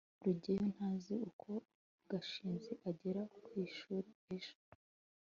rugeyo ntazi uko gashinzi azagera ku ishuri ejo